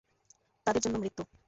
তাদের জন্য মৃত্যু।